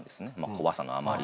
怖さのあまり。